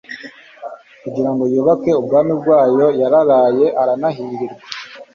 kugirango yubake ubwami bwayo.yararaye aranahirirwa